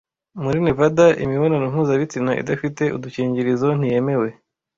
Muri Nevada imibonano mpuzabitsina idafite udukingirizo ntiyemewe